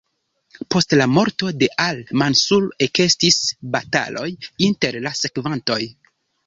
Post la morto de al-Mansur ekestis bataloj inter la sekvantoj.